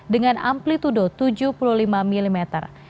dengan amplitude tujuh puluh lima mm